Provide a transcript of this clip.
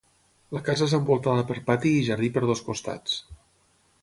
La casa és envoltada per pati i jardí per dos costats.